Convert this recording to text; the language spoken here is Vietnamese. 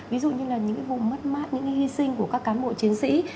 ví dụ như là những cái vùng mất mát những cái hy sinh của các cán bộ chiến sĩ